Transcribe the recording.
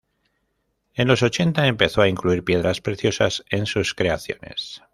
En los ochenta empezó a incluir piedras preciosas en sus creaciones.